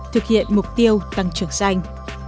thực hiện mục tiêu tăng trưởng xanh